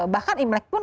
bahkan imlek pun